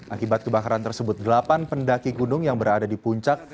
akibat kebakaran tersebut delapan pendaki gunung yang berada di puncak